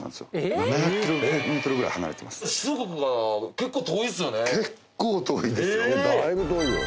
結構遠いです。え！